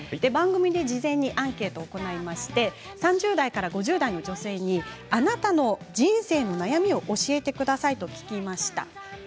番組で事前にアンケートを行いまして３０代から５０代の女性にあなたの人生の悩みを教えてくださいと聞きました。